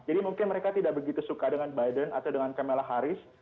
jadi mungkin mereka tidak begitu suka dengan biden atau dengan kamala harris